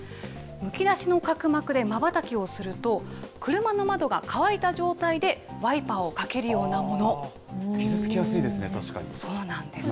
むき出しの角膜でまばたきをすると、車の窓が乾いた状態でワイパ傷つきやすいですね、そうなんです。